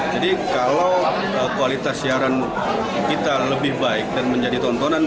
jadi kalau kualitas siaran kita lebih baik dan menjadi tontonan